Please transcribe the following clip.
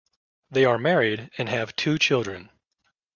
They are married and have two children.